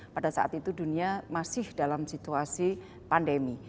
pada saat itu dunia masih dalam situasi pandemi